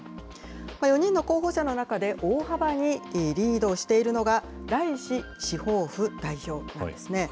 ４人の候補者の中で大幅にリードしているのが、ライシ司法府代表なんですね。